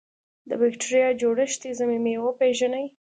د بکټریا جوړښتي ضمیمې وپیژني.